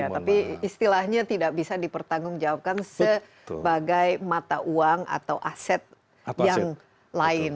tapi istilahnya tidak bisa dipertanggungjawabkan sebagai mata uang atau aset yang lain